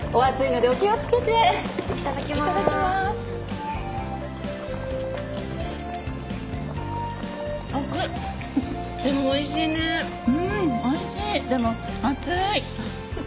でも熱い！